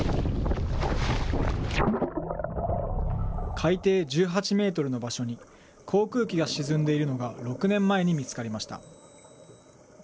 海底１８メートルの場所に、航空機が沈んでいるのが６年前に見つかりました。